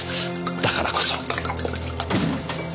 だからこそ。